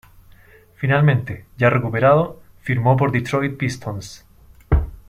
Finalmente, ya recuperado, firmó por Detroit Pistons.